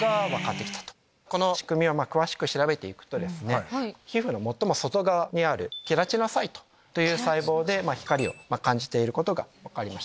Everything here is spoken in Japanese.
この仕組みを調べて行くと皮膚の最も外側にあるケラチノサイトという細胞で光を感じていることが分かります。